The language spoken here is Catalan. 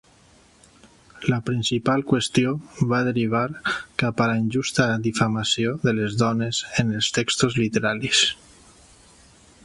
La principal qüestió va derivar cap a la injusta difamació de les dones en els textos literaris.